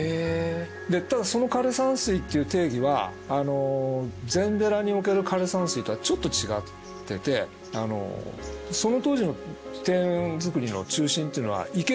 ただその枯山水っていう定義は禅寺における枯山水とはちょっと違っててその当時の庭園づくりの中心っていうのは池をつくった庭園だったんですね。